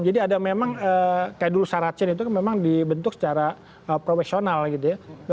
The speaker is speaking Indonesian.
jadi ada memang kayak dulu saracen itu memang dibentuk secara profesional gitu ya